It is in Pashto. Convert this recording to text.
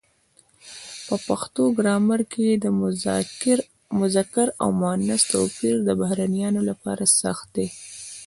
په پښتو ګرامر کې د مذکر او مونث توپیر د بهرنیانو لپاره سخت دی.